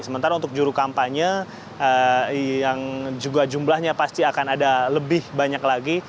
sementara untuk juru kampanye yang juga jumlahnya pasti akan ada lebih banyak lagi